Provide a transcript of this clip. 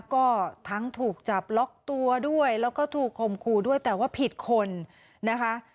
ก็ทั้งถูกจับล็อกตัวด้วยแล้วก็ถูกคมคู่ด้วยแต่ว่าผิดคนนะคะ